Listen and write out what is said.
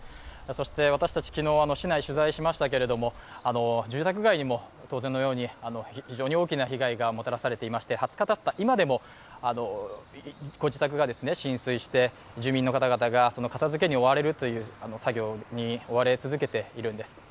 そして私たち、昨日、市内を取材しましたけど住宅街にも当然のように非常に大きな被害がもたらされていまして、２０日たった今でも、自宅が浸水して住民の方々が片づけの作業に追われ続けているんです。